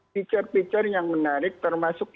picture picture yang menarik termasuk